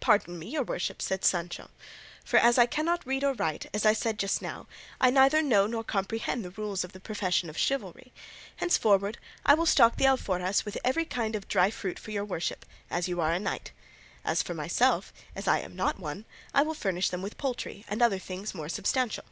"Pardon me, your worship," said Sancho, "for, as I cannot read or write, as I said just now, I neither know nor comprehend the rules of the profession of chivalry: henceforward I will stock the alforjas with every kind of dry fruit for your worship, as you are a knight; and for myself, as I am not one, I will furnish them with poultry and other things more substantial."